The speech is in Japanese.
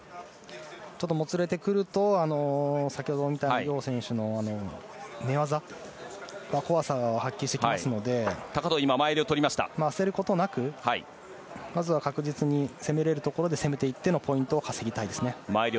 もつれてくると先ほどみたいにヨウ選手の寝技が怖さを発揮してきますので焦ることなく、まずは確実に攻めれるところで攻めていってのポイントを稼ぎたいですね。